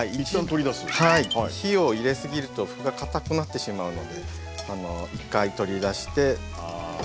火を入れすぎると麩がかたくなってしまうので一回取り出してこれで置きます。